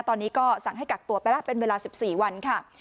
ตอนนี้ก็สั่งให้กักตัวไปแล้วเป็นเวลา๑๔วันค่ะ